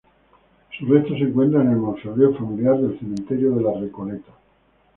Sus restos se encuentran en el mausoleo familiar del cementerio de la Recoleta.